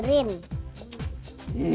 bayi ya nggak boleh